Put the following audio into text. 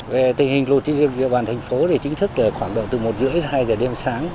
về tình hình lụt trên địa bàn thành phố thì chính thức là khoảng từ một h ba mươi đến hai h đêm sáng